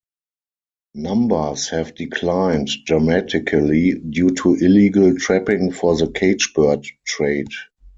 Numbers have declined dramatically due to illegal trapping for the cage-bird trade.